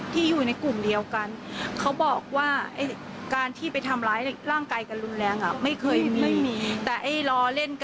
ฟังเสียงคุณแม่และก็น้องที่เสียชีวิตค่ะ